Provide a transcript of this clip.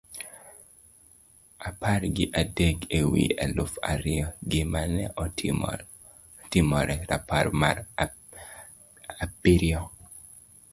apar gi adek e wi aluf ariyo: Gima ne otimore . rapar mar apiriyo